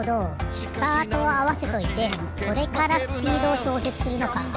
スタートをあわせといてそれからスピードをちょうせつするのか。